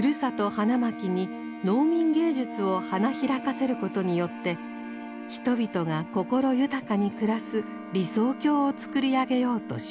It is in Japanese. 花巻に農民芸術を花開かせることによって人々が心豊かに暮らす理想郷をつくり上げようとしました。